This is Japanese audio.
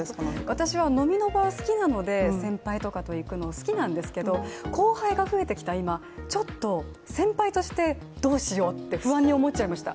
私は飲みの場とかす好きなので、先輩とかと行くのは好きなので、後輩が増えてきた今、ちょっと先輩としてどうしようって不安に思っちゃいました。